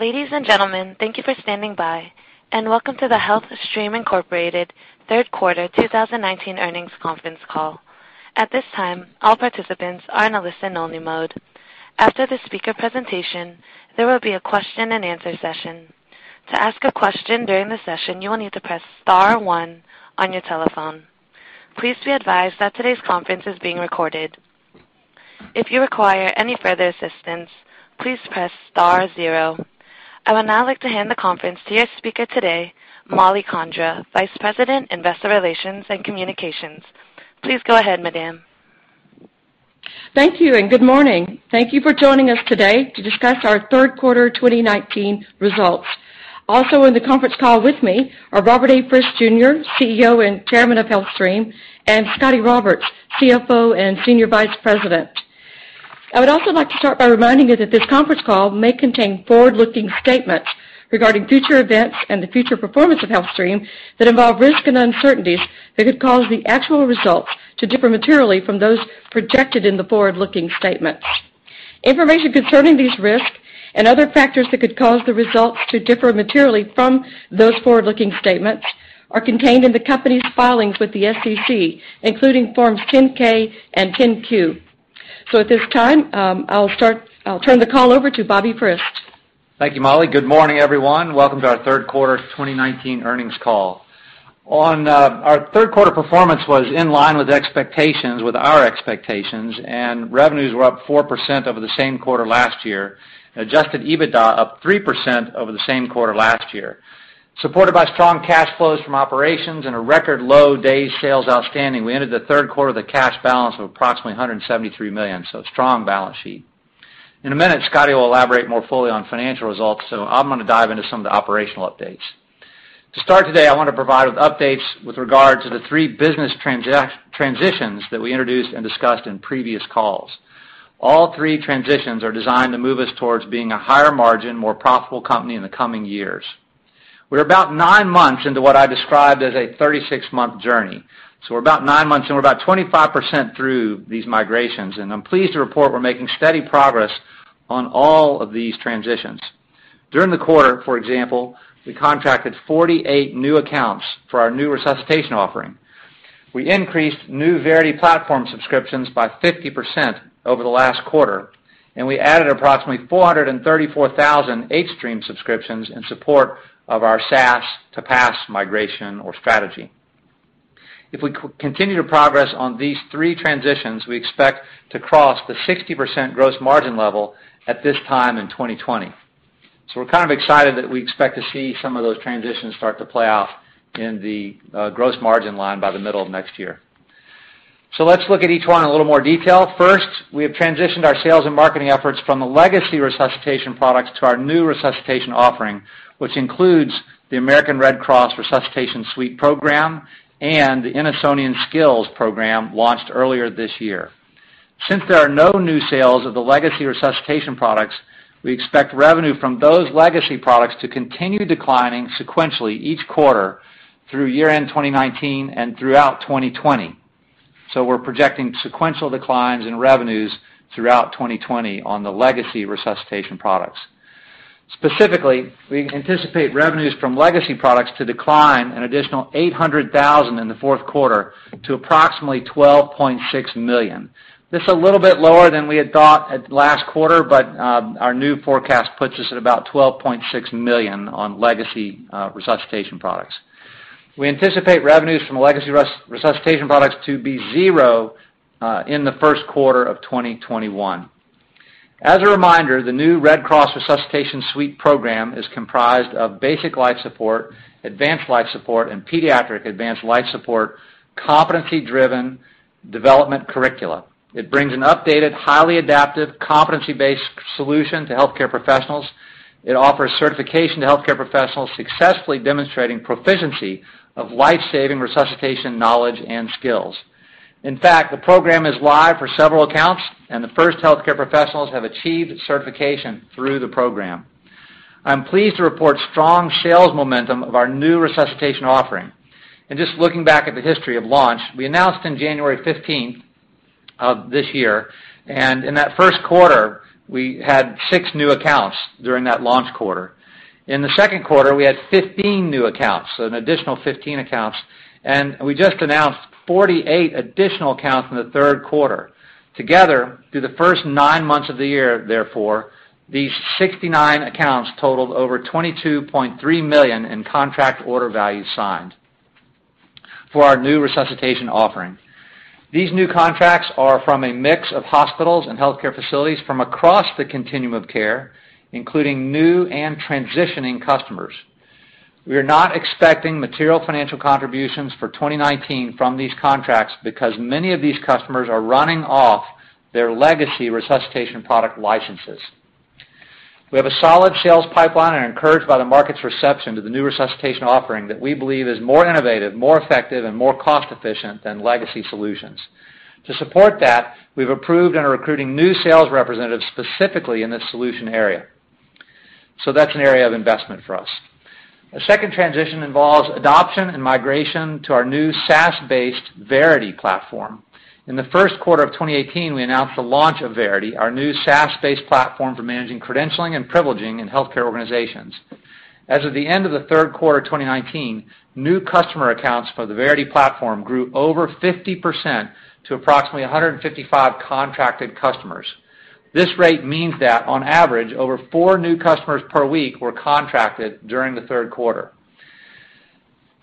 Ladies and gentlemen, thank you for standing by and welcome to the HealthStream, Inc. third quarter 2019 earnings conference call. At this time, all participants are in a listen only mode. After the speaker presentation, there will be a question and answer session. To ask a question during the session, you will need to press star one on your telephone. Please be advised that today's conference is being recorded. If you require any further assistance, please press star zero. I would now like to hand the conference to your speaker today, Mollie Condra, Vice President, Investor Relations and Communications. Please go ahead, madam. Thank you, and good morning. Thank you for joining us today to discuss our third quarter 2019 results. Also in the conference call with me are Robert A. Frist, Jr., CEO and Chairman of HealthStream, and Scotty Roberts, CFO and Senior Vice President. I would also like to start by reminding you that this conference call may contain forward-looking statements regarding future events and the future performance of HealthStream that involve risk and uncertainties that could cause the actual results to differ materially from those projected in the forward-looking statements. Information concerning these risks and other factors that could cause the results to differ materially from those forward-looking statements are contained in the company's filings with the SEC, including Forms 10-K and 10-Q. At this time, I'll turn the call over to Bobby Frist. Thank you, Mollie. Good morning, everyone. Welcome to our third quarter 2019 earnings call. Our third quarter performance was in line with expectations, and revenues were up 4% over the same quarter last year, and Adjusted EBITDA up 3% over the same quarter last year. Supported by strong cash flows from operations and a record low days sales outstanding, we ended the third quarter with a cash balance of approximately $173 million, strong balance sheet. In a minute, Scotty will elaborate more fully on financial results, so I'm going to dive into some of the operational updates. To start today, I want to provide updates with regard to the three business transitions that we introduced and discussed in previous calls. All three transitions are designed to move us towards being a higher margin, more profitable company in the coming years. We're about nine months into what I described as a 36-month journey. We're about nine months in. We're about 25% through these migrations, and I'm pleased to report we're making steady progress on all of these transitions. During the quarter, for example, we contracted 48 new accounts for our new resuscitation offering. We increased new Verity platform subscriptions by 50% over the last quarter, and we added approximately 434,000 hStream subscriptions in support of our SaaS to PaaS migration or strategy. If we continue to progress on these three transitions, we expect to cross the 60% gross margin level at this time in 2020. We're kind of excited that we expect to see some of those transitions start to play out in the gross margin line by the middle of next year. Let's look at each one in a little more detail. First, we have transitioned our sales and marketing efforts from the legacy resuscitation products to our new resuscitation offering, which includes the American Red Cross Resuscitation Suite program and the Innosonian Skills program launched earlier this year. Since there are no new sales of the legacy resuscitation products, we expect revenue from those legacy products to continue declining sequentially each quarter through year-end 2019 and throughout 2020. We're projecting sequential declines in revenues throughout 2020 on the legacy resuscitation products. Specifically, we anticipate revenues from legacy products to decline an additional $800,000 in the fourth quarter to approximately $12.6 million. This is a little bit lower than we had thought at last quarter, but our new forecast puts us at about $12.6 million on legacy resuscitation products. We anticipate revenues from legacy resuscitation products to be zero in the first quarter of 2021. As a reminder, the new Red Cross Resuscitation Suite program is comprised of Basic Life Support, Advanced Life Support, and Pediatric Advanced Life Support competency-driven development curricula. It brings an updated, highly adaptive, competency-based solution to healthcare professionals. It offers certification to healthcare professionals successfully demonstrating proficiency of life-saving resuscitation knowledge and skills. In fact, the program is live for several accounts, and the first healthcare professionals have achieved certification through the program. I'm pleased to report strong sales momentum of our new resuscitation offering. Just looking back at the history of launch, we announced on January 15th of this year, in that first quarter, we had six new accounts during that launch quarter. In the second quarter, we had 15 new accounts, so an additional 15 accounts. We just announced 48 additional accounts in the third quarter. Together, through the first nine months of the year, therefore, these 69 accounts totaled over $22.3 million in contract order value signed for our new resuscitation offering. These new contracts are from a mix of hospitals and healthcare facilities from across the continuum of care, including new and transitioning customers. We are not expecting material financial contributions for 2019 from these contracts because many of these customers are running off their legacy resuscitation product licenses. We have a solid sales pipeline and are encouraged by the market's reception to the new resuscitation offering that we believe is more innovative, more effective and more cost efficient than legacy solutions. To support that, we've approved and are recruiting new sales representatives specifically in this solution area. That's an area of investment for us. A second transition involves adoption and migration to our new SaaS-based Verity platform. In the first quarter of 2018, we announced the launch of Verity, our new SaaS-based platform for managing credentialing and privileging in healthcare organizations. As of the end of the third quarter of 2019, new customer accounts for the Verity platform grew over 50% to approximately 155 contracted customers. This rate means that on average, over four new customers per week were contracted during the third quarter.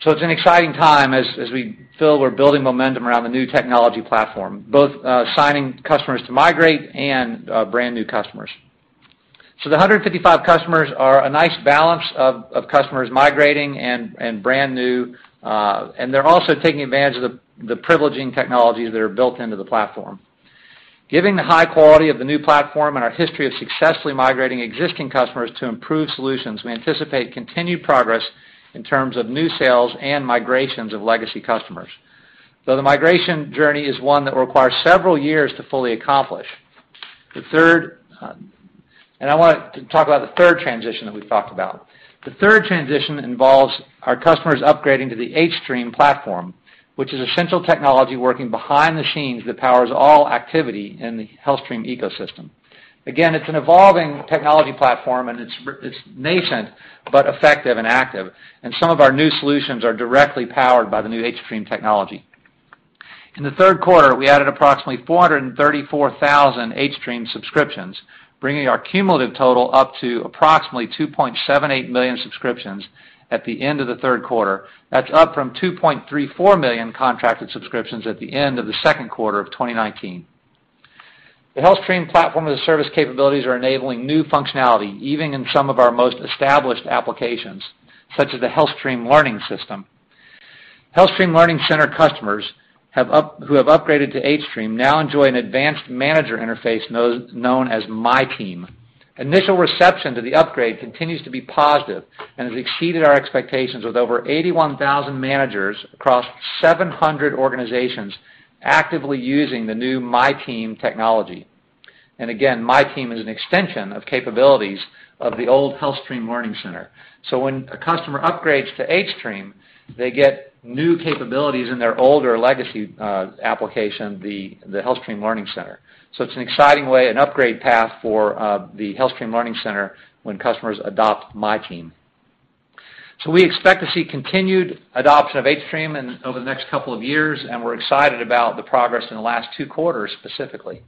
It's an exciting time as we feel we're building momentum around the new technology platform, both signing customers to migrate and brand new customers. The 155 customers are a nice balance of customers migrating and brand new, and they're also taking advantage of the privileging technologies that are built into the platform. Given the high quality of the new platform and our history of successfully migrating existing customers to improved solutions, we anticipate continued progress in terms of new sales and migrations of legacy customers, though the migration journey is one that will require several years to fully accomplish. I want to talk about the third transition that we've talked about. The third transition involves our customers upgrading to the hStream platform, which is essential technology working behind the scenes that powers all activity in the HealthStream ecosystem. Again, it's an evolving technology platform, and it's nascent, but effective and active, and some of our new solutions are directly powered by the new hStream technology. In the third quarter, we added approximately 434,000 hStream subscriptions, bringing our cumulative total up to approximately 2.78 million subscriptions at the end of the third quarter. That's up from 2.34 million contracted subscriptions at the end of the second quarter of 2019. The HealthStream platform as a service capabilities are enabling new functionality, even in some of our most established applications, such as the HealthStream Learning Center. HealthStream Learning Center customers who have upgraded to hStream now enjoy an advanced manager interface known as MyTeam. Initial reception to the upgrade continues to be positive and has exceeded our expectations with over 81,000 managers across 700 organizations actively using the new MyTeam technology. Again, MyTeam is an extension of capabilities of the old HealthStream Learning Center. When a customer upgrades to hStream, they get new capabilities in their older legacy application, the HealthStream Learning Center. It's an exciting way, an upgrade path for the HealthStream Learning Center when customers adopt MyTeam. We expect to see continued adoption of hStream over the next couple of years, and we're excited about the progress in the last two quarters specifically.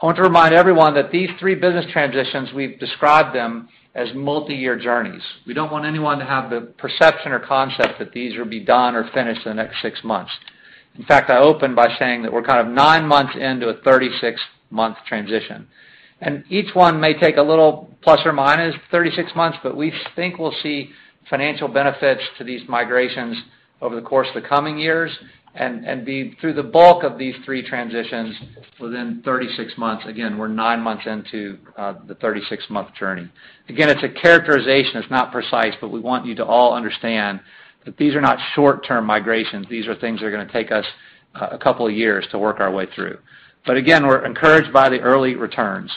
I want to remind everyone that these three business transitions, we've described them as multiyear journeys. We don't want anyone to have the perception or concept that these will be done or finished in the next six months. In fact, I opened by saying that we're nine months into a 36-month transition, and each one may take a little ±36 months, but we think we'll see financial benefits to these migrations over the course of the coming years and be through the bulk of these three transitions within 36 months. Again, we're nine months into the 36-month journey. Again, it's a characterization. It's not precise, but we want you to all understand that these are not short-term migrations. These are things that are going to take us a couple of years to work our way through. Again, we're encouraged by the early returns.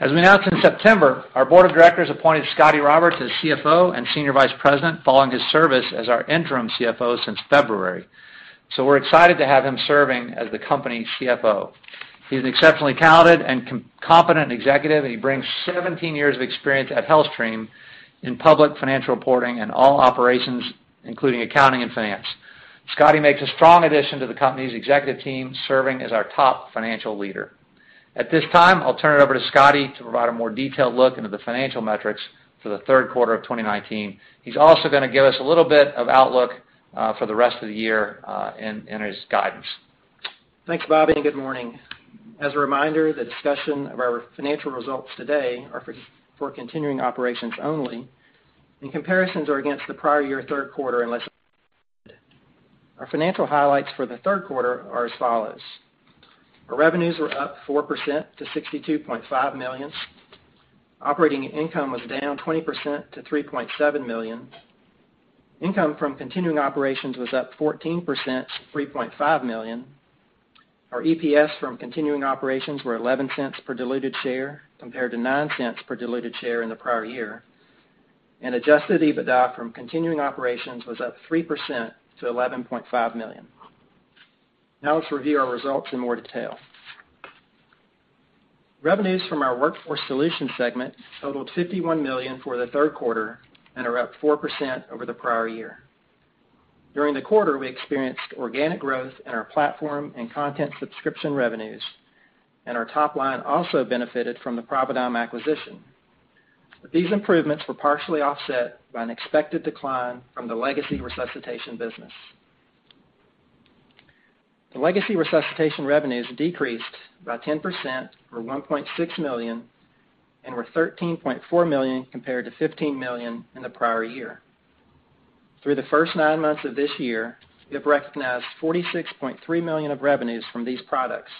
As we announced in September, our Board of Directors appointed Scotty Roberts as CFO and Senior Vice President, following his service as our interim CFO since February. We're excited to have him serving as the company CFO. He's an exceptionally talented and competent executive, and he brings 17 years of experience at HealthStream in public financial reporting and all operations, including accounting and finance. Scotty makes a strong addition to the company's executive team, serving as our top financial leader. At this time, I'll turn it over to Scotty to provide a more detailed look into the financial metrics for the third quarter of 2019. He's also going to give us a little bit of outlook for the rest of the year in his guidance. Thanks, Bobby. Good morning. As a reminder, the discussion of our financial results today are for continuing operations only, and comparisons are against the prior year third quarter unless stated. Our financial highlights for the third quarter are as follows. Our revenues were up 4% to $62.5 million. Operating income was down 20% to $3.7 million. Income from continuing operations was up 14% to $3.5 million. Our EPS from continuing operations were $0.11 per diluted share compared to $0.09 per diluted share in the prior year. Adjusted EBITDA from continuing operations was up 3% to $11.5 million. Let's review our results in more detail. Revenues from our Workforce Solutions segment totaled $51 million for the third quarter and are up 4% over the prior year. During the quarter, we experienced organic growth in our platform and content subscription revenues, and our top line also benefited from the Providigm acquisition. These improvements were partially offset by an expected decline from the legacy resuscitation business. The legacy resuscitation revenues decreased by 10%, or $1.6 million, and were $13.4 million compared to $15 million in the prior year. Through the first nine months of this year, we have recognized $46.3 million of revenues from these products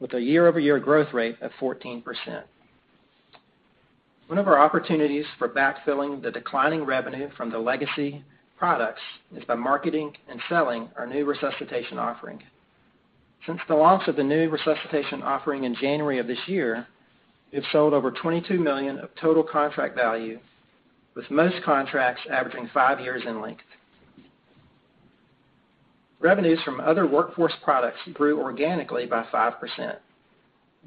with a year-over-year growth rate of 14%. One of our opportunities for backfilling the declining revenue from the legacy products is by marketing and selling our new resuscitation offering. Since the launch of the new resuscitation offering in January of this year, we've sold over $22 million of total contract value, with most contracts averaging five years in length. Revenues from other Workforce products grew organically by 5%.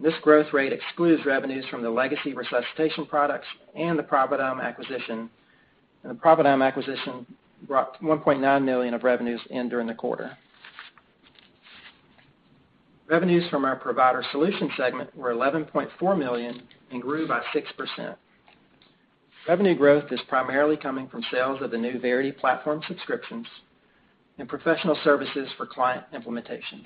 This growth rate excludes revenues from the legacy resuscitation products and the Providigm acquisition. The Providigm acquisition brought $1.9 million of revenues in during the quarter. Revenues from our Provider Solutions segment were $11.4 million and grew by 6%. Revenue growth is primarily coming from sales of the new Verity platform subscriptions and professional services for client implementations.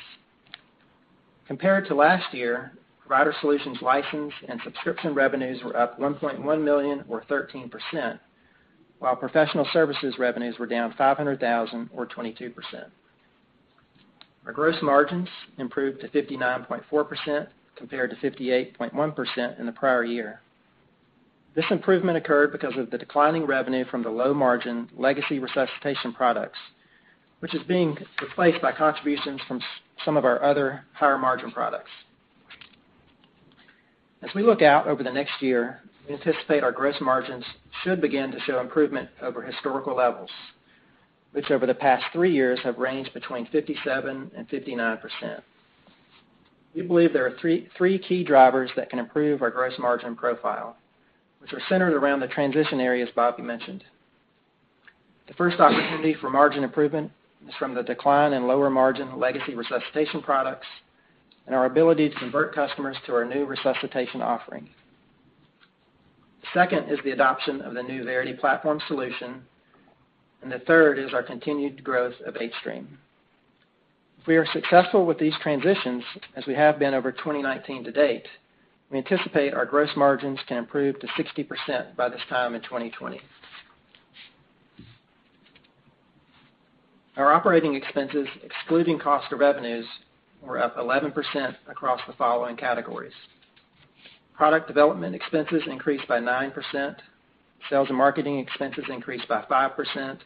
Compared to last year, Provider Solutions license and subscription revenues were up $1.1 million or 13%, while professional services revenues were down $500,000 or 22%. Our gross margins improved to 59.4% compared to 58.1% in the prior year. This improvement occurred because of the declining revenue from the low-margin legacy resuscitation products, which is being replaced by contributions from some of our other higher-margin products. As we look out over the next year, we anticipate our gross margins should begin to show improvement over historical levels, which over the past three years have ranged between 57% and 59%. We believe there are three key drivers that can improve our gross margin profile, which are centered around the transition areas Bobby mentioned. The first opportunity for margin improvement is from the decline in lower-margin legacy resuscitation products and our ability to convert customers to our new resuscitation offering. The second is the adoption of the new Verity platform solution, and the third is our continued growth of hStream. If we are successful with these transitions, as we have been over 2019 to date, we anticipate our gross margins to improve to 60% by this time in 2020. Our operating expenses, excluding cost of revenues, were up 11% across the following categories. Product development expenses increased by 9%, sales and marketing expenses increased by 5%,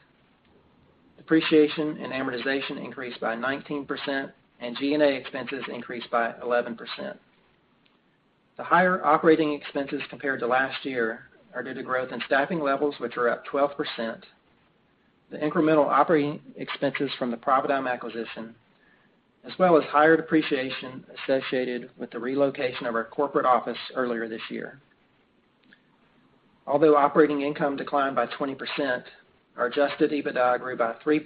depreciation and amortization increased by 19%, and G&A expenses increased by 11%. The higher operating expenses compared to last year are due to growth in staffing levels, which are up 12%, the incremental operating expenses from the Providigm acquisition, as well as higher depreciation associated with the relocation of our corporate office earlier this year. Although operating income declined by 20%, our Adjusted EBITDA grew by 3%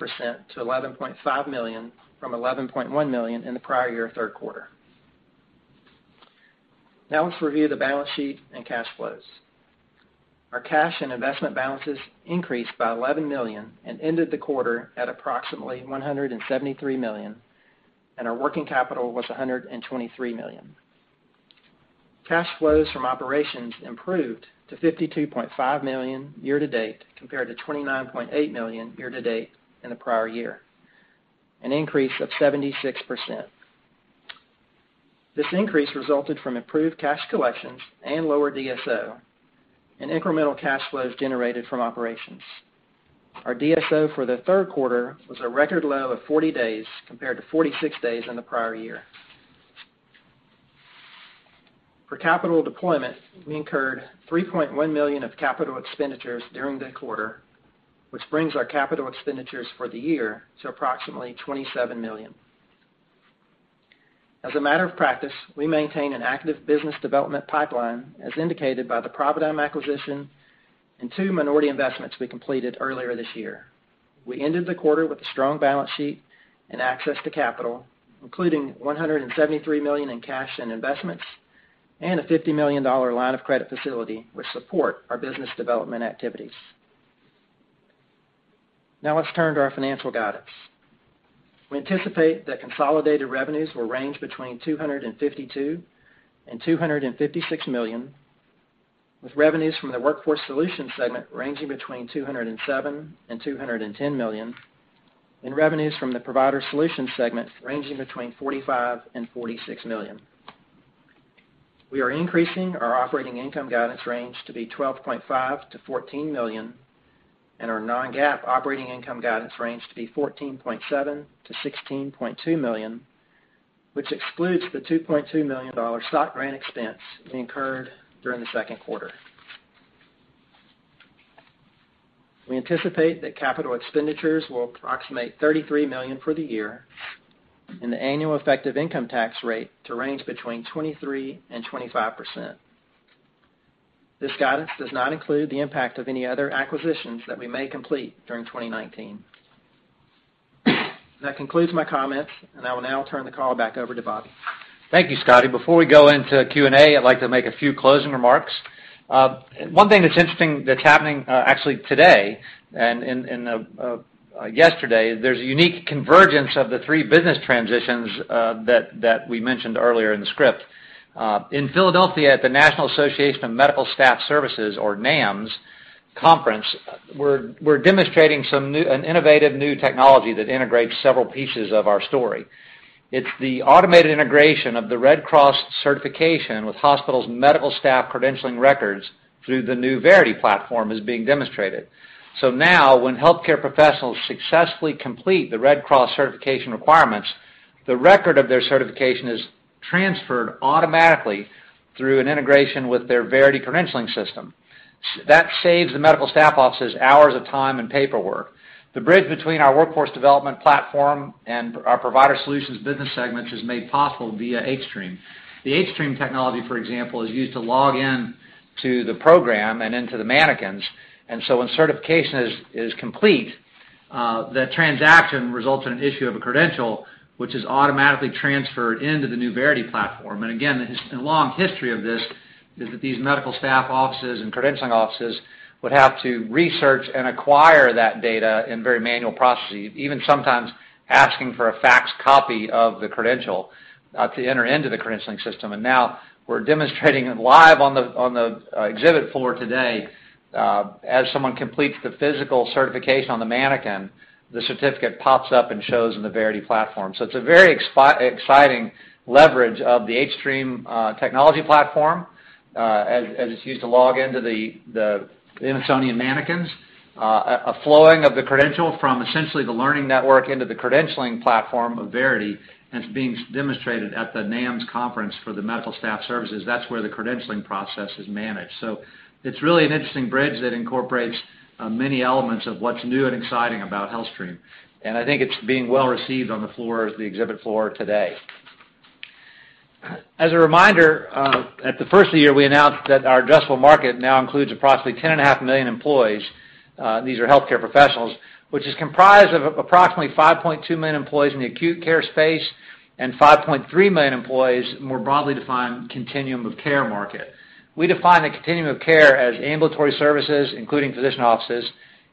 to $11.5 million from $11.1 million in the prior year third quarter. Now let's review the balance sheet and cash flows. Our cash and investment balances increased by $11 million and ended the quarter at approximately $173 million, and our working capital was $123 million. Cash flows from operations improved to $52.5 million year-to-date, compared to $29.8 million year-to-date in the prior year, an increase of 76%. This increase resulted from improved cash collections and lower DSO, and incremental cash flows generated from operations. Our DSO for the third quarter was a record low of 40 days compared to 46 days in the prior year. For capital deployment, we incurred $3.1 million of capital expenditures during the quarter, which brings our capital expenditures for the year to approximately $27 million. As a matter of practice, we maintain an active business development pipeline, as indicated by the Providigm acquisition and two minority investments we completed earlier this year. We ended the quarter with a strong balance sheet and access to capital, including $173 million in cash and investments and a $50 million line of credit facility, which support our business development activities. Let's turn to our financial guidance. We anticipate that consolidated revenues will range between $252 million and $256 million, with revenues from the Workforce Solutions segment ranging between $207 million and $210 million, and revenues from the Provider Solutions segment ranging between $45 million and $46 million. We are increasing our operating income guidance range to be $12.5 million to $14 million and our non-GAAP operating income guidance range to be $14.7 million to $16.2 million, which excludes the $2.2 million stock grant expense we incurred during the second quarter. We anticipate that capital expenditures will approximate $33 million for the year and the annual effective income tax rate to range between 23% and 25%. This guidance does not include the impact of any other acquisitions that we may complete during 2019. That concludes my comments, and I will now turn the call back over to Bobby. Thank you, Scotty. Before we go into Q&A, I'd like to make a few closing remarks. One thing that's interesting that's happening actually today and yesterday, there's a unique convergence of the three business transitions that we mentioned earlier in the script. In Philadelphia at the National Association of Medical Staff Services or NAMSS conference, we're demonstrating an innovative new technology that integrates several pieces of our story. It's the automated integration of the Red Cross certification with hospitals' medical staff credentialing records through the new Verity platform is being demonstrated. Now, when healthcare professionals successfully complete the Red Cross certification requirements. The record of their certification is transferred automatically through an integration with their Verity credentialing system. That saves the medical staff offices hours of time and paperwork. The bridge between our workforce development platform and our Provider Solutions business segments is made possible via hStream. The hStream technology, for example, is used to log in to the program and into the mannequins. When certification is complete, the transaction results in an issue of a credential, which is automatically transferred into the new Verity platform. Again, the long history of this is that these medical staff offices and credentialing offices would have to research and acquire that data in very manual processes, even sometimes asking for a faxed copy of the credential to enter into the credentialing system. Now we're demonstrating it live on the exhibit floor today. As someone completes the physical certification on the mannequin, the certificate pops up and shows in the Verity platform. It's a very exciting leverage of the hStream technology platform as it's used to log into the Innosonian mannequins, a flowing of the credential from essentially the learning network into the credentialing platform of Verity, and it's being demonstrated at the NAMSS conference for the medical staff services. That's where the credentialing process is managed. It's really an interesting bridge that incorporates many elements of what's new and exciting about HealthStream, and I think it's being well-received on the exhibit floor today. At the first of the year, we announced that our addressable market now includes approximately 10.5 million employees, these are healthcare professionals, which is comprised of approximately 5.2 million employees in the acute care space and 5.3 million employees in the more broadly defined continuum of care market. We define the continuum of care as ambulatory services, including physician offices,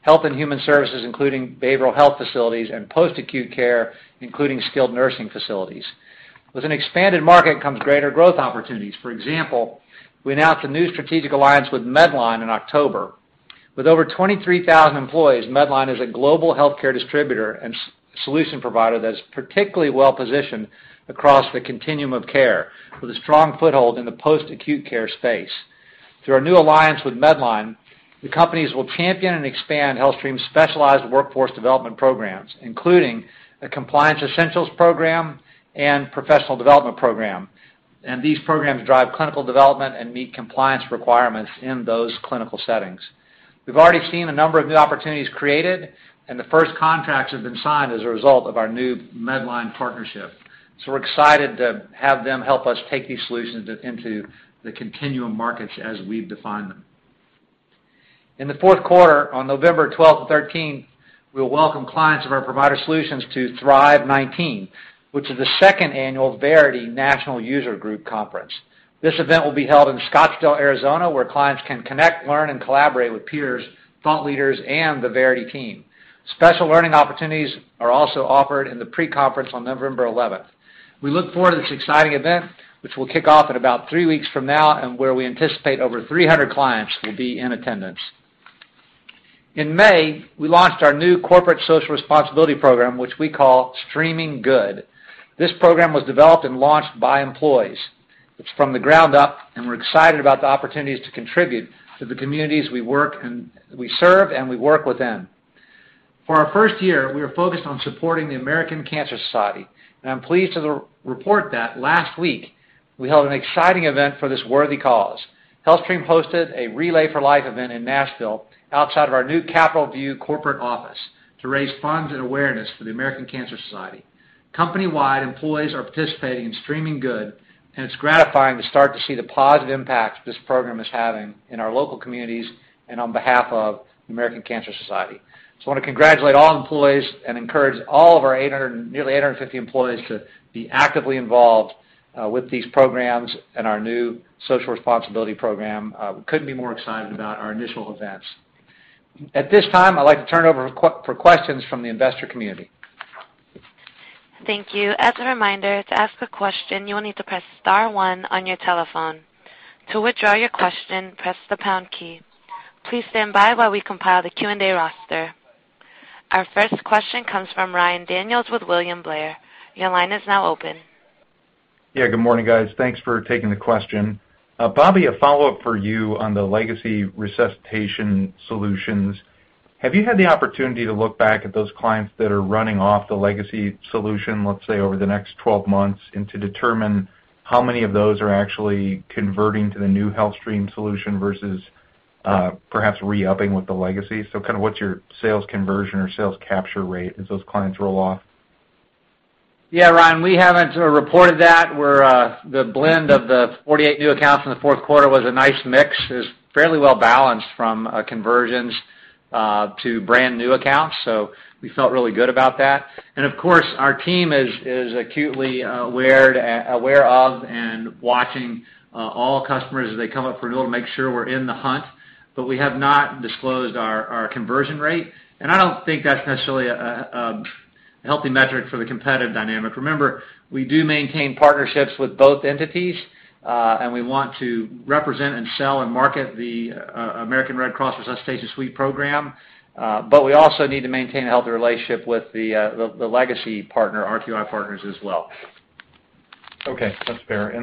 health and human services, including behavioral health facilities, and post-acute care, including skilled nursing facilities. With an expanded market comes greater growth opportunities. For example, we announced a new strategic alliance with Medline in October. With over 23,000 employees, Medline is a global healthcare distributor and solution provider that is particularly well-positioned across the continuum of care, with a strong foothold in the post-acute care space. Through our new alliance with Medline, the companies will champion and expand HealthStream's specialized workforce development programs, including a compliance essentials program and professional development program. These programs drive clinical development and meet compliance requirements in those clinical settings. We've already seen a number of new opportunities created, and the first contracts have been signed as a result of our new Medline partnership. We're excited to have them help us take these solutions into the continuum markets as we've defined them. In the fourth quarter, on November 12th and 13th, we will welcome clients of our Provider Solutions to Thrive'19, which is the second annual Verity National User Group Conference. This event will be held in Scottsdale, Arizona, where clients can connect, learn, and collaborate with peers, thought leaders, and the Verity team. Special learning opportunities are also offered in the pre-conference on November 11th. We look forward to this exciting event, which will kick off in about three weeks from now, and where we anticipate over 300 clients will be in attendance. In May, we launched our new corporate social responsibility program, which we call Streaming Good. This program was developed and launched by employees. It's from the ground up, and we're excited about the opportunities to contribute to the communities we serve and we work within. For our first year, we are focused on supporting the American Cancer Society, and I'm pleased to report that last week we held an exciting event for this worthy cause. HealthStream hosted a Relay For Life event in Nashville outside of our new Capitol View corporate office to raise funds and awareness for the American Cancer Society. Company-wide, employees are participating in Streaming Good, and it's gratifying to start to see the positive impact this program is having in our local communities and on behalf of the American Cancer Society. I want to congratulate all employees and encourage all of our nearly 850 employees to be actively involved with these programs and our new social responsibility program. We couldn't be more excited about our initial events. At this time, I'd like to turn it over for questions from the investor community. Thank you. As a reminder, to ask a question, you will need to press star one on your telephone. To withdraw your question, press the pound key. Please stand by while we compile the Q&A roster. Our first question comes from Ryan Daniels with William Blair. Your line is now open. Yeah. Good morning, guys. Thanks for taking the question. Bobby, a follow-up for you on the legacy resuscitation solutions. Have you had the opportunity to look back at those clients that are running off the legacy solution, let's say, over the next 12 months, and to determine how many of those are actually converting to the new HealthStream solution versus perhaps re-upping with the legacy? Kind of what's your sales conversion or sales capture rate as those clients roll off? Yeah, Ryan, we haven't reported that, where the blend of the 48 new accounts in the fourth quarter was a nice mix. It was fairly well-balanced from conversions to brand-new accounts, so we felt really good about that. Of course, our team is acutely aware of and watching all customers as they come up for renewal to make sure we're in the hunt. We have not disclosed our conversion rate, and I don't think that's necessarily a healthy metric for the competitive dynamic. Remember, we do maintain partnerships with both entities, and we want to represent and sell and market the American Red Cross Resuscitation Suite program. We also need to maintain a healthy relationship with the Legacy partner, RQI Partners, as well. Okay, that's fair.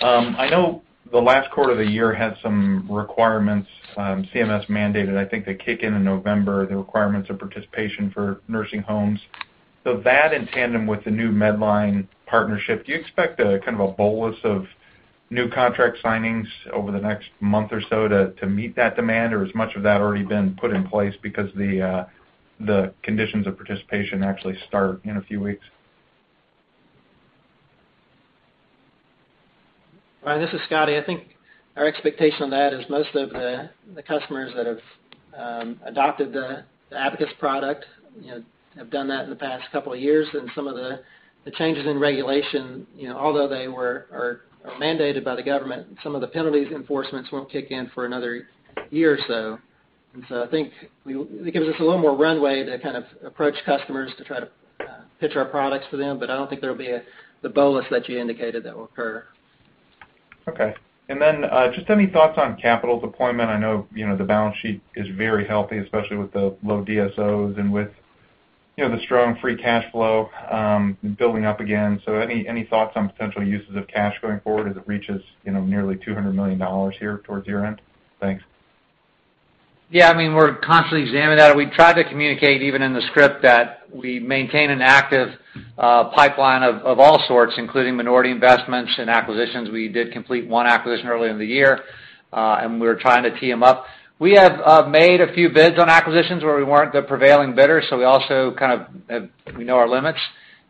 I know the last quarter of the year had some requirements, CMS mandated, I think they kick in in November, the requirements of participation for nursing homes. That in tandem with the new Medline partnership, do you expect a kind of a bolus of new contract signings over the next month or so to meet that demand? Has much of that already been put in place because the conditions of participation actually start in a few weeks? Right. This is Scotty. I think our expectation on that is most of the customers that have adopted the abaqis product have done that in the past couple of years. Some of the changes in regulation, although they are mandated by the government, some of the penalties enforcements won't kick in for another year or so. I think it gives us a little more runway to kind of approach customers to try to pitch our products to them. I don't think there'll be the bolus that you indicated that will occur. Okay. Just any thoughts on capital deployment? I know the balance sheet is very healthy, especially with the low DSOs and with the strong free cash flow, building up again. Any thoughts on potential uses of cash going forward as it reaches nearly $200 million here towards year-end? Thanks. Yeah, we're constantly examining that. We tried to communicate, even in the script, that we maintain an active pipeline of all sorts, including minority investments and acquisitions. We did complete one acquisition earlier in the year, and we're trying to tee them up. We have made a few bids on acquisitions where we weren't the prevailing bidder, so we also kind of know our limits.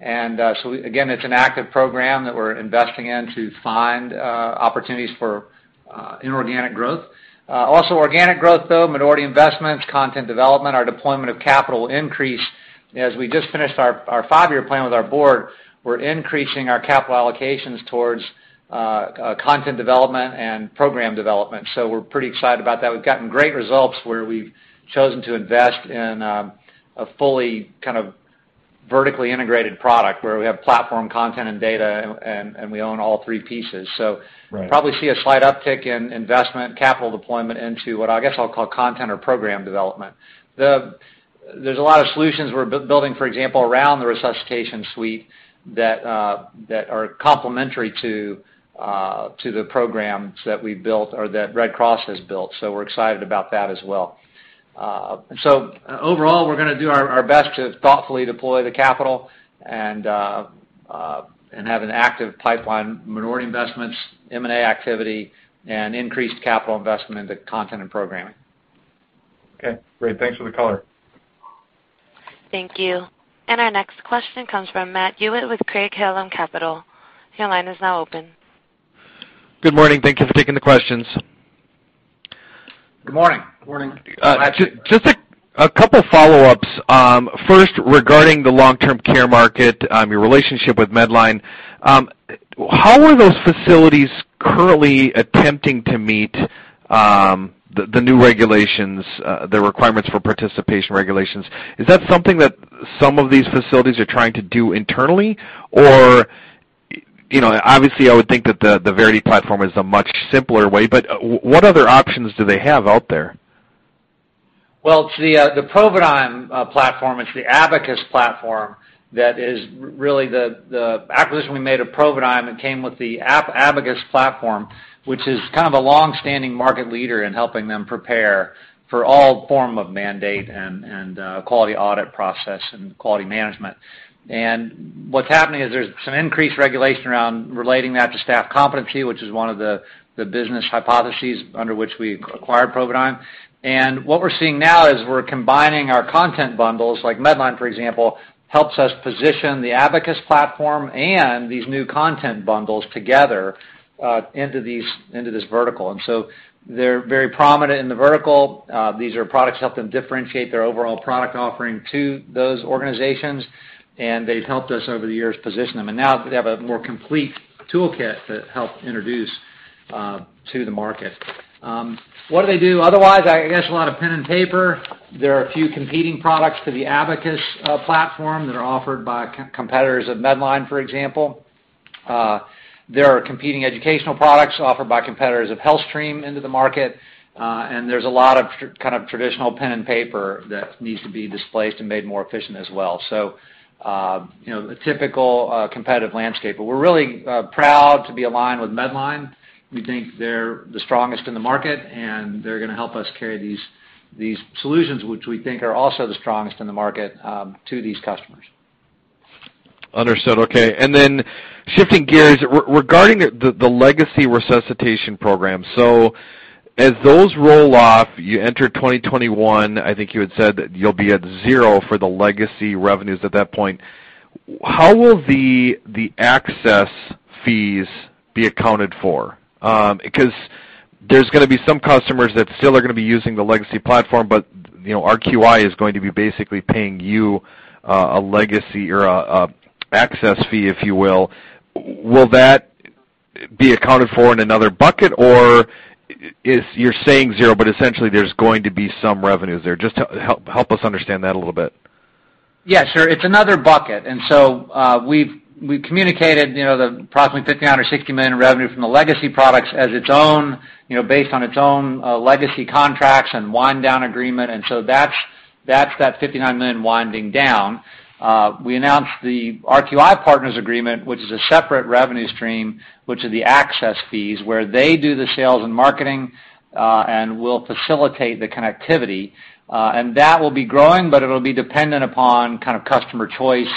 Again, it's an active program that we're investing in to find opportunities for inorganic growth. Also organic growth though, minority investments, content development, our deployment of capital increase. As we just finished our five-year plan with our board, we're increasing our capital allocations towards content development and program development. We're pretty excited about that. We've gotten great results where we've chosen to invest in a fully kind of vertically integrated product, where we have platform content and data and we own all three pieces. Right you'll probably see a slight uptick in investment, capital deployment into what I guess I'll call content or program development. There's a lot of solutions we're building, for example, around the Red Cross Resuscitation Suite that are complementary to the programs that we built or that Red Cross has built. We're excited about that as well. Overall, we're going to do our best to thoughtfully deploy the capital and have an active pipeline, minority investments, M&A activity, and increased capital investment into content and programming. Okay, great. Thanks for the color. Thank you. Our next question comes from Matt Hewitt with Craig-Hallum Capital. Your line is now open. Good morning. Thank you for taking the questions. Good morning. Morning. Just a couple follow-ups. First, regarding the long-term care market, your relationship with Medline, how are those facilities currently attempting to meet the new regulations, the requirements for participation regulations? Is that something that some of these facilities are trying to do internally? Obviously, I would think that the Verity platform is a much simpler way, but what other options do they have out there? It's the Providigm platform, it's the abaqis platform that is really the acquisition we made of Providigm and came with the abaqis platform, which is kind of a long-standing market leader in helping them prepare for all form of mandate and quality audit process and quality management. What's happening is there's some increased regulation around relating that to staff competency, which is one of the business hypotheses under which we acquired Providigm. What we're seeing now is we're combining our content bundles, like Medline, for example, helps us position the abaqis platform and these new content bundles together into this vertical. They're very prominent in the vertical. These are products to help them differentiate their overall product offering to those organizations. They've helped us over the years position them. Now they have a more complete toolkit to help introduce to the market. What do they do otherwise? I guess a lot of pen and paper. There are a few competing products to the abaqis platform that are offered by competitors of Medline, for example. There are competing educational products offered by competitors of HealthStream into the market. There's a lot of kind of traditional pen and paper that needs to be displaced and made more efficient as well. The typical competitive landscape. We're really proud to be aligned with Medline. We think they're the strongest in the market, and they're going to help us carry these solutions, which we think are also the strongest in the market, to these customers. Understood. Okay. Shifting gears, regarding the legacy resuscitation program. As those roll off, you enter 2021, I think you had said that you'll be at zero for the legacy revenues at that point. How will the access fees be accounted for? Because there's going to be some customers that still are going to be using the legacy platform, but RQI is going to be basically paying you a legacy or a access fee, if you will. Will that be accounted for in another bucket, or if you're saying zero, but essentially there's going to be some revenues there? Just help us understand that a little bit. Yeah, sure. It's another bucket. We've communicated the approximately $59 or $60 million in revenue from the legacy products as its own, based on its own legacy contracts and wind down agreement. That's that $59 million winding down. We announced the RQI Partners agreement, which is a separate revenue stream, which are the access fees, where they do the sales and marketing, and we'll facilitate the connectivity. That will be growing, but it'll be dependent upon customer choice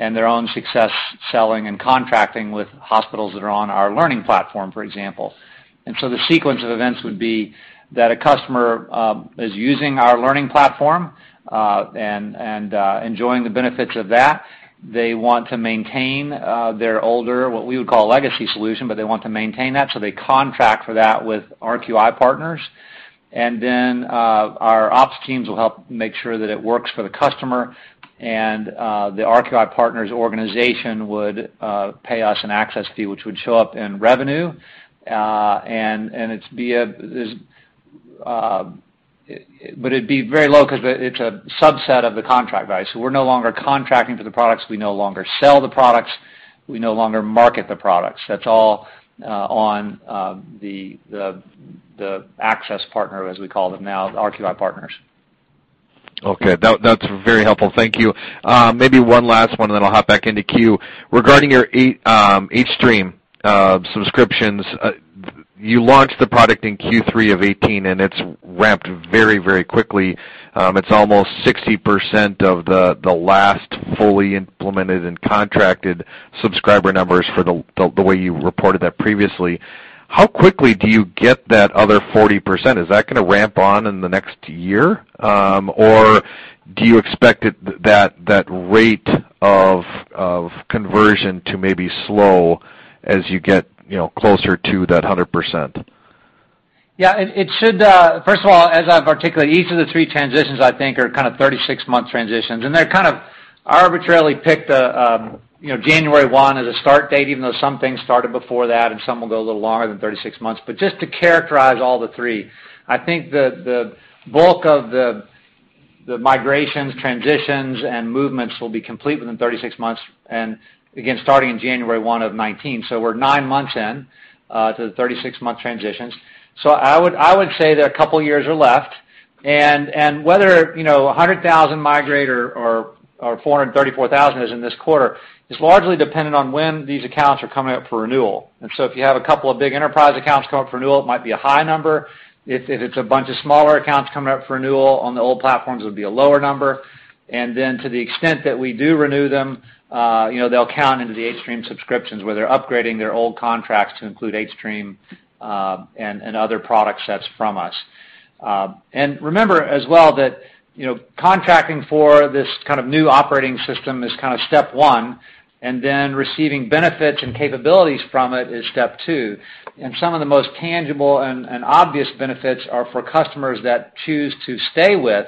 and their own success selling and contracting with hospitals that are on our learning platform, for example. The sequence of events would be that a customer is using our learning platform, and enjoying the benefits of that. They want to maintain their older, what we would call a legacy solution, but they want to maintain that, so they contract for that with RQI Partners. Then, our ops teams will help make sure that it works for the customer, and, the RQI Partners organization would pay us an access fee, which would show up in revenue. It'd be very low because it's a subset of the contract value. We're no longer contracting for the products, we no longer sell the products, we no longer market the products. That's all on the access partner, as we call them now, RQI Partners. Okay. That's very helpful. Thank you. Maybe one last one, and then I'll hop back into queue. Regarding your hStream subscriptions, you launched the product in Q3 of 2018, and it's ramped very quickly. It's almost 60% of the last fully implemented and contracted subscriber numbers for the way you reported that previously. How quickly do you get that other 40%? Is that going to ramp on in the next year? Do you expect that rate of conversion to maybe slow as you get closer to that 100%? Yeah. First of all, as I've articulated, each of the three transitions, I think, are kind of 36-month transitions. I arbitrarily picked January 1 as a start date, even though some things started before that and some will go a little longer than 36 months. Just to characterize all the three, I think the bulk of the migrations, transitions, and movements will be complete within 36 months, and again, starting in January 1, 2019. We're nine months in to the 36-month transitions. I would say that a couple of years are left. Whether 100,000 migrate or 434,000, as in this quarter, is largely dependent on when these accounts are coming up for renewal. If you have a couple of big enterprise accounts coming up for renewal, it might be a high number. If it's a bunch of smaller accounts coming up for renewal on the old platforms, it would be a lower number. To the extent that we do renew them, they'll count into the hStream subscriptions, where they're upgrading their old contracts to include hStream and other product sets from us. Remember as well that contracting for this new operating system is step one, and then receiving benefits and capabilities from it is step two. Some of the most tangible and obvious benefits are for customers that choose to stay with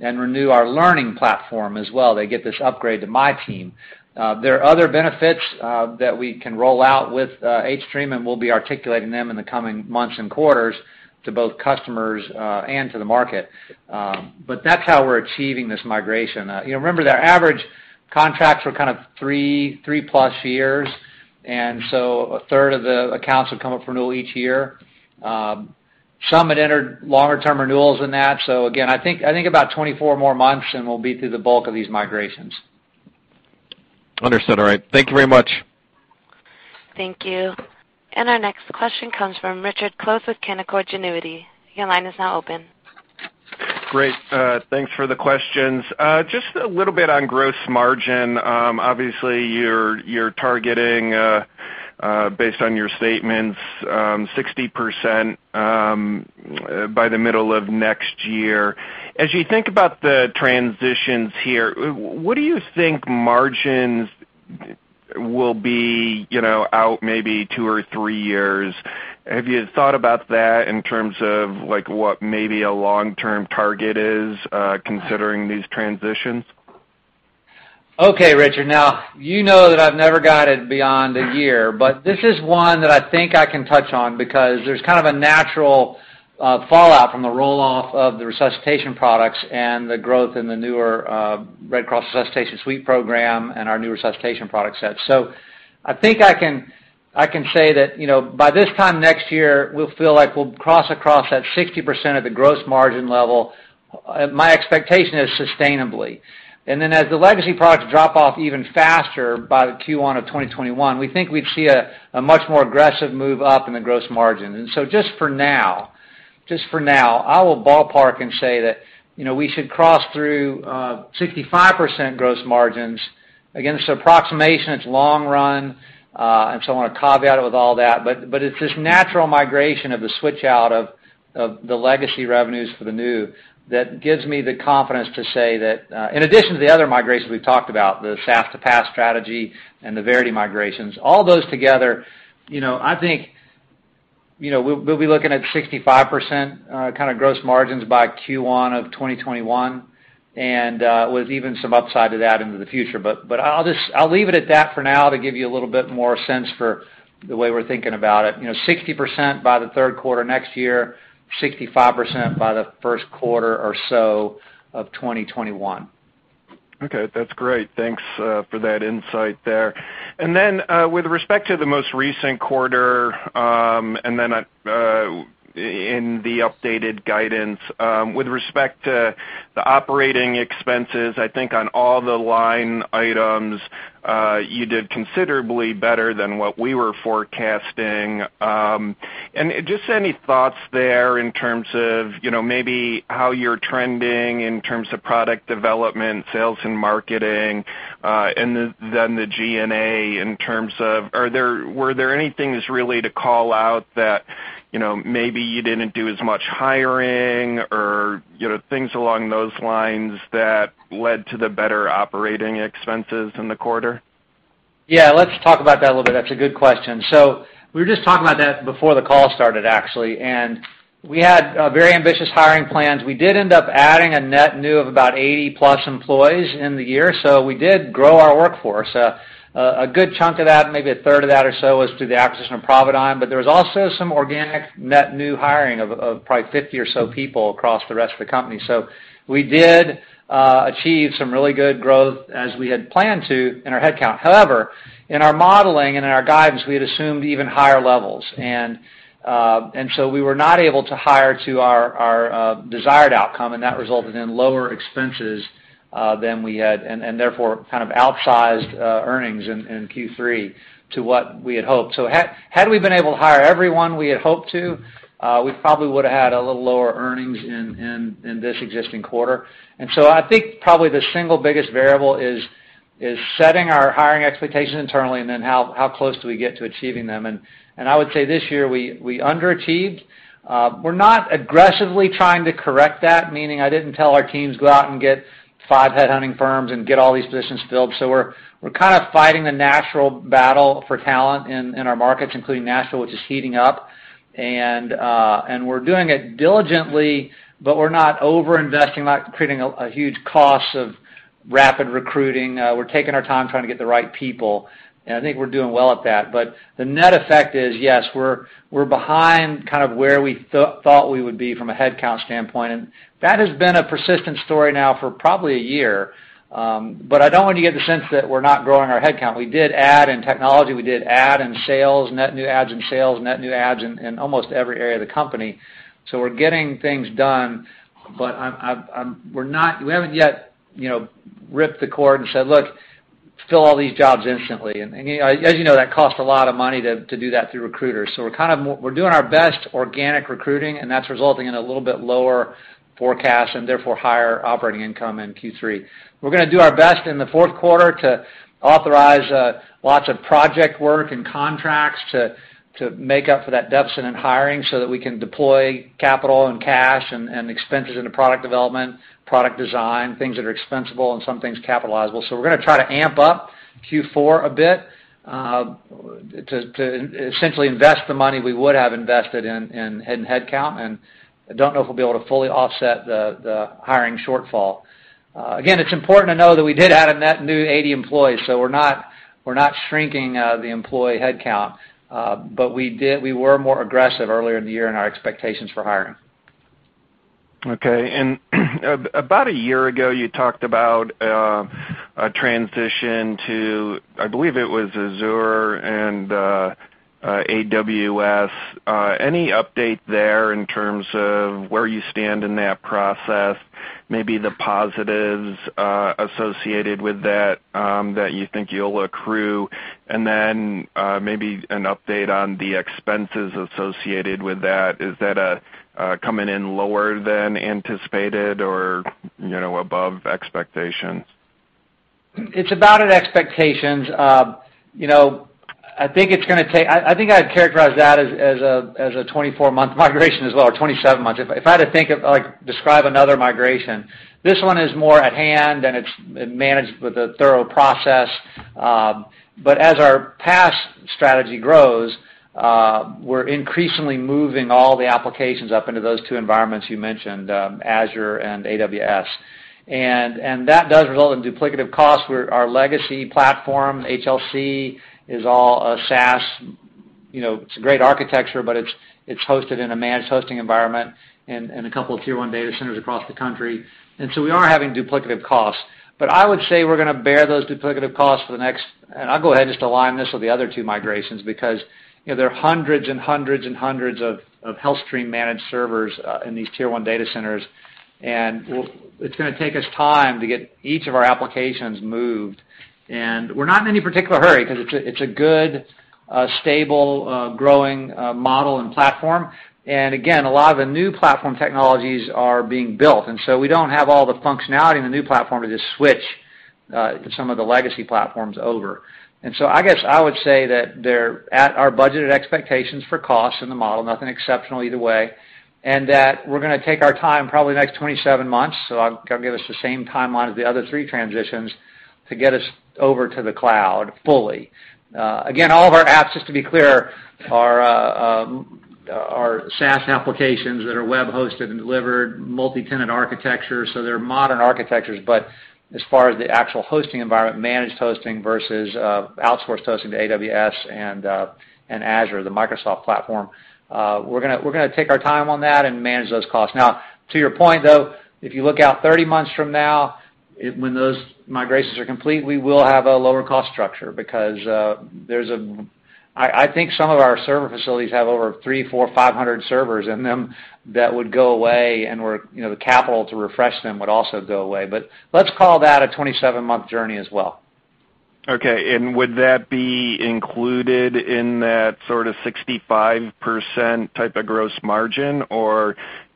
and renew our learning platform as well. They get this upgrade to MyTeam. There are other benefits that we can roll out with hStream, and we'll be articulating them in the coming months and quarters to both customers and to the market. That's how we're achieving this migration. Remember, their average contracts were 3-plus years, a third of the accounts would come up for renewal each year. Some had entered longer-term renewals than that, again, I think about 24 more months, and we'll be through the bulk of these migrations. Understood. All right. Thank you very much. Thank you. Our next question comes from Richard Close with Canaccord Genuity. Your line is now open. Great. Thanks for the questions. Just a little bit on gross margin. Obviously, you're targeting, based on your statements, 60% by the middle of next year. As you think about the transitions here, what do you think margins will be out maybe two or three years? Have you thought about that in terms of what maybe a long-term target is, considering these transitions? Richard. You know that I've never got it beyond a year, but this is one that I think I can touch on because there's kind of a natural fallout from the roll-off of the resuscitation products and the growth in the newer Red Cross Resuscitation Suite program and our new resuscitation product set. I think I can say that by this time next year, we'll feel like we'll cross across that 60% of the gross margin level. My expectation is sustainably. As the legacy products drop off even faster by Q1 of 2021, we think we'd see a much more aggressive move up in the gross margin. Just for now, I will ballpark and say that we should cross through 65% gross margins. Again, this is approximation. It's long run, and so I want to caveat it with all that. It's this natural migration of the switch out of the legacy revenues for the new that gives me the confidence to say that, in addition to the other migrations we've talked about, the SaaS to PaaS strategy and the Verity migrations, all those together, I think we'll be looking at 65% gross margins by Q1 of 2021, and with even some upside to that into the future. I'll leave it at that for now to give you a little bit more sense for the way we're thinking about it. 60% by the third quarter next year, 65% by the first quarter or so of 2021. Okay. That's great. Thanks for that insight there. With respect to the most recent quarter, and then in the updated guidance, with respect to the operating expenses, I think on all the line items, you did considerably better than what we were forecasting. Just any thoughts there in terms of maybe how you're trending in terms of product development, sales, and marketing, and then the G&A in terms of, were there any things really to call out that maybe you didn't do as much hiring or things along those lines that led to the better operating expenses in the quarter? Yeah, let's talk about that a little bit. That's a good question. We were just talking about that before the call started, actually. We had very ambitious hiring plans. We did end up adding a net new of about 80-plus employees in the year, so we did grow our workforce. A good chunk of that, maybe a third of that or so, was through the acquisition of Providigm, but there was also some organic net new hiring of probably 50 or so people across the rest of the company. We did achieve some really good growth as we had planned to in our headcount. However, in our modeling and in our guidance, we had assumed even higher levels. We were not able to hire to our desired outcome, and that resulted in lower expenses than we had, and therefore kind of outsized earnings in Q3 to what we had hoped. Had we been able to hire everyone we had hoped to, we probably would've had a little lower earnings in this existing quarter. I think probably the single biggest variable is setting our hiring expectations internally, and then how close do we get to achieving them. I would say this year, we underachieved. We're not aggressively trying to correct that, meaning I didn't tell our teams, "Go out and get five headhunting firms and get all these positions filled." We're kind of fighting the natural battle for talent in our markets, including Nashville, which is heating up. We're doing it diligently, but we're not over-investing, we're not creating a huge cost of rapid recruiting. We're taking our time trying to get the right people, and I think we're doing well at that. The net effect is, yes, we're behind kind of where we thought we would be from a headcount standpoint. That has been a persistent story now for probably a year. I don't want you to get the sense that we're not growing our headcount. We did add in technology, we did add in sales, net new adds in sales, net new adds in almost every area of the company. We're getting things done, but we haven't yet ripped the cord and said, "Look, fill all these jobs instantly." As you know, that costs a lot of money to do that through recruiters. We're doing our best organic recruiting, and that's resulting in a little bit lower forecast and therefore higher operating income in Q3. We're going to do our best in the fourth quarter to authorize lots of project work and contracts to make up for that deficit in hiring so that we can deploy capital and cash and expenses into product development, product design, things that are expensable and some things capitalizable. We're going to try to amp up Q4 a bit, to essentially invest the money we would have invested in headcount, and I don't know if we'll be able to fully offset the hiring shortfall. Again, it's important to know that we did add a net new 80 employees, so we're not shrinking the employee headcount. We were more aggressive earlier in the year in our expectations for hiring. Okay. About a year ago, you talked about a transition to, I believe it was Azure and AWS. Any update there in terms of where you stand in that process, maybe the positives associated with that that you think you'll accrue, and then maybe an update on the expenses associated with that? Is that coming in lower than anticipated or above expectations? It's about at expectations. I think I'd characterize that as a 24-month migration as well, or 27 months, if I had to think of, like, describe another migration. This one is more at hand, and it's managed with a thorough process. As our PaaS strategy grows, we're increasingly moving all the applications up into those two environments you mentioned, Azure and AWS. That does result in duplicative costs, where our legacy platform, HLC, is all a SaaS. It's a great architecture, but it's hosted in a managed hosting environment in a couple of Tier 1 data centers across the country. We are having duplicative costs. I would say we're going to bear those duplicative costs for the next. I'll go ahead and just align this with the other two migrations because there are hundreds and hundreds and hundreds of HealthStream managed servers in these Tier 1 data centers, and it's going to take us time to get each of our applications moved. We're not in any particular hurry because it's a good, stable, growing model and platform. Again, a lot of the new platform technologies are being built, and so we don't have all the functionality in the new platform to just switch some of the legacy platforms over. I guess I would say that they're at our budgeted expectations for costs in the model, nothing exceptional either way, and that we're going to take our time, probably the next 27 months, so I'll give us the same timeline as the other three transitions, to get us over to the cloud fully. Again, all of our apps, just to be clear, are SaaS applications that are web hosted and delivered, multi-tenant architecture. They're modern architectures, but as far as the actual hosting environment, managed hosting versus outsourced hosting to AWS and Azure, the Microsoft platform, we're going to take our time on that and manage those costs. To your point, though, if you look out 30 months from now, when those migrations are complete, we will have a lower cost structure because I think some of our server facilities have over 300, 400, 500 servers in them that would go away, and the capital to refresh them would also go away. Let's call that a 27-month journey as well. Okay. Would that be included in that sort of 65% type of gross margin?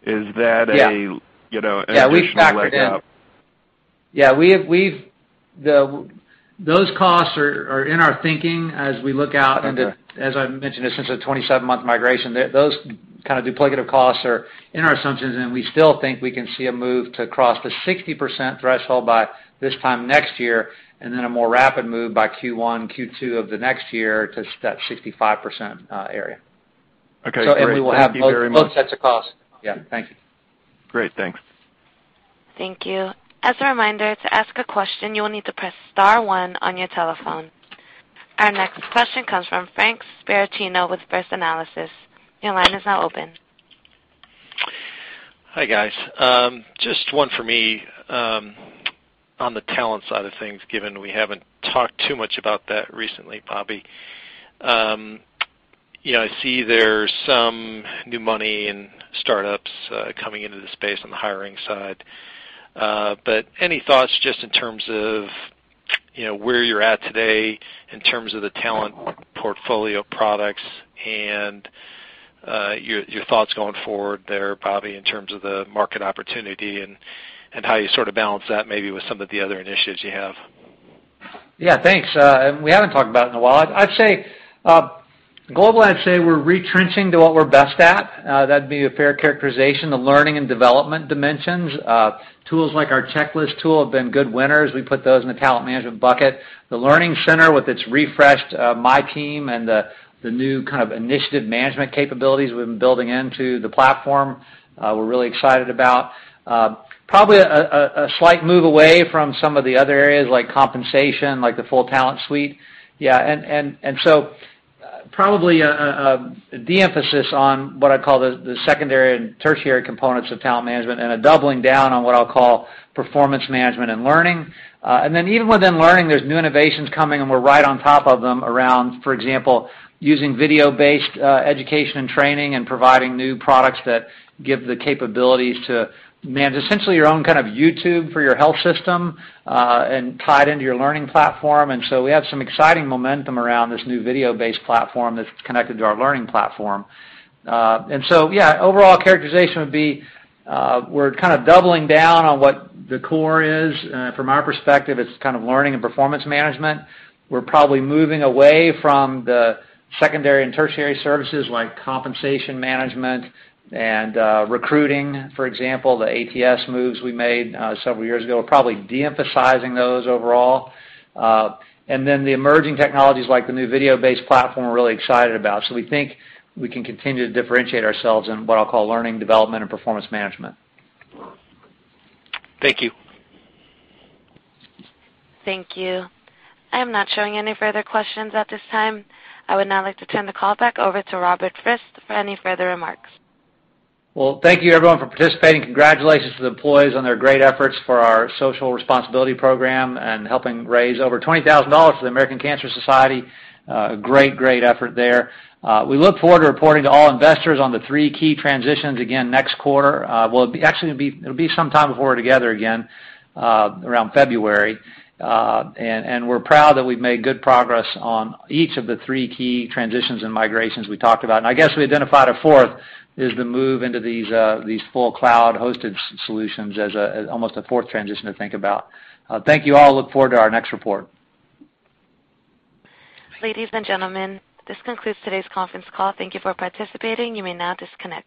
Yeah. Additional leg up? Yeah, we factor it in. Those costs are in our thinking as we look out into, as I mentioned, since a 27-month migration, those kind of duplicative costs are in our assumptions. We still think we can see a move to cross the 60% threshold by this time next year. Then a more rapid move by Q1, Q2 of the next year to that 65% area. Okay, great. Thank you very much. We will have both sets of costs. Yeah, thank you. Great, thanks. Thank you. As a reminder, to ask a question, you will need to press star one on your telephone. Our next question comes from Frank Sparacino with First Analysis. Your line is now open. Hi, guys. Just one for me on the talent side of things, given we haven't talked too much about that recently, Bobby. I see there's some new money in startups coming into the space on the hiring side. Any thoughts just in terms of where you're at today, in terms of the talent portfolio products and your thoughts going forward there, Bobby, in terms of the market opportunity and how you sort of balance that maybe with some of the other initiatives you have? Yeah, thanks. We haven't talked about it in a while. I'd say globally, I'd say we're retrenching to what we're best at. That'd be a fair characterization. The learning and development dimensions, tools like our checklist tool have been good winners. We put those in the talent management bucket. The Learning Center with its refreshed My Team and the new kind of initiative management capabilities we've been building into the platform, we're really excited about. Probably a slight move away from some of the other areas like compensation, like the full talent suite. Yeah. Probably a de-emphasis on what I'd call the secondary and tertiary components of talent management and a doubling down on what I'll call performance management and learning. Even within learning, there's new innovations coming, and we're right on top of them around, for example, using video-based education and training and providing new products that give the capabilities to manage essentially your own kind of YouTube for your health system, and tied into your learning platform. We have some exciting momentum around this new video-based platform that's connected to our learning platform. Yeah, overall characterization would be we're kind of doubling down on what the core is. From our perspective, it's kind of learning and performance management. We're probably moving away from the secondary and tertiary services like compensation management and recruiting, for example, the ATS moves we made several years ago. We're probably de-emphasizing those overall. The emerging technologies like the new video-based platform we're really excited about. We think we can continue to differentiate ourselves in what I'll call learning, development, and performance management. Thank you. Thank you. I am not showing any further questions at this time. I would now like to turn the call back over to Robert Frist for any further remarks. Well, thank you, everyone, for participating. Congratulations to the employees on their great efforts for our social responsibility program and helping raise over $20,000 for the American Cancer Society. A great effort there. We look forward to reporting to all investors on the three key transitions again next quarter. Well, actually, it'll be sometime before we're together again, around February. We're proud that we've made good progress on each of the three key transitions and migrations we talked about. I guess we identified a fourth, is the move into these full cloud-hosted solutions as almost a fourth transition to think about. Thank you all. Look forward to our next report. Ladies and gentlemen, this concludes today's conference call. Thank you for participating. You may now disconnect.